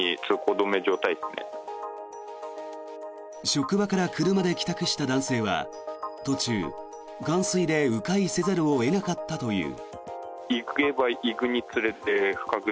職場から車で帰宅した男性は途中、冠水で迂回せざるを得なかったという。